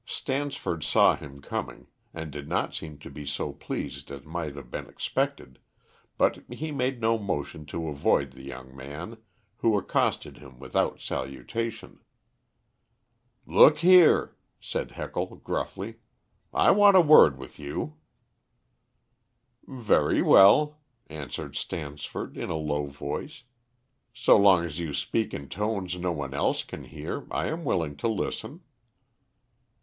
Stansford saw him coming, and did not seem to be so pleased as might have been expected, but he made no motion to avoid the young man, who accosted him without salutation. "Look here," said Heckle gruffly, "I want a word with you." "Very well," answered Stansford, in a low voice; "so long as you speak in tones no one else can hear, I am willing to listen."